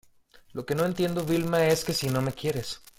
lo que no entiendo, Vilma , es que si no me quieres ,